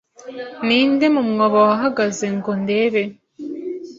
Ninde mu mwobo wahagaze ngo ndebe